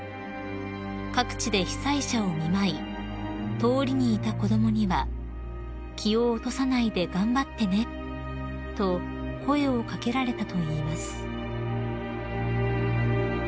［各地で被災者を見舞い通りにいた子供には「気を落とさないで頑張ってね」と声を掛けられたといいます］